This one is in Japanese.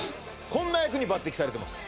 こんな役に抜てきされてます